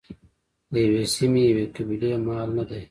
د یوې سیمې یوې قبیلې مال نه دی.